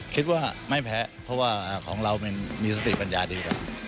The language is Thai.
คิดว่าไม่แพ้เพราะว่าของเรามันมีสติปัญญาดีกว่า